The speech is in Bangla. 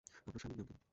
আপনার স্বামীর নাম কি?